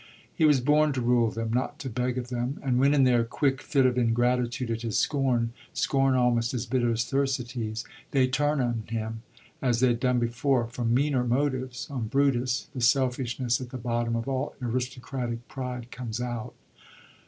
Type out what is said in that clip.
He was born to rule them, not to beg of them. And when, in their quick fit of ingratitude at his scorn— scorn almost as bitter as Thersites'— they turn on him, as they'd done before, from meaner motives, on Brutus,— the selfishness at the bottom of all aristocratic pride comes out.